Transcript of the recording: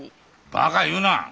バカ言うな！